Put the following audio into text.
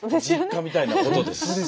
実家みたいなことです。